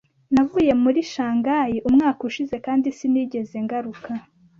Navuye muri Shanghai umwaka ushize kandi sinigeze ngaruka.